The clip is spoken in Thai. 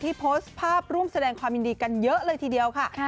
โพสต์ภาพร่วมแสดงความยินดีกันเยอะเลยทีเดียวค่ะ